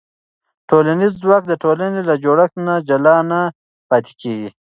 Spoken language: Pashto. ټولنیز ځواک د ټولنې له جوړښت نه جلا نه پاتې کېږي.